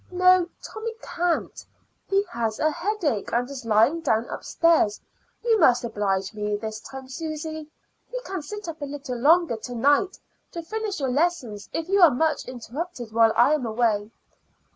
"No, Tommy can't. He has a headache and is lying down upstairs. You must oblige me this time, Susy. You can sit up a little longer to night to finish your lessons if you are much interrupted while I am away."